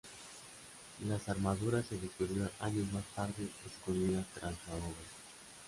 La armadura se descubrió años más tarde escondida tras la bóveda.